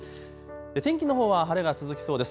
天気のほうは晴れが続きそうです。